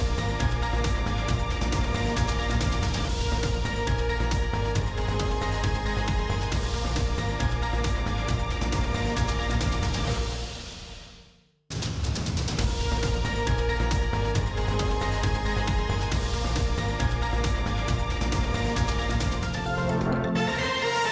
โปรดติดตามตอนต่อไป